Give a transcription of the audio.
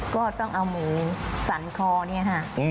ก็ต้องเอาหมูสั่นคอเนี่ยค่ะ